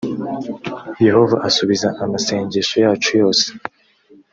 yehova asubiza amasengesho yacu yose